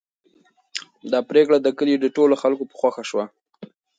دا پرېکړه د کلي د ټولو خلکو په خوښه شوه.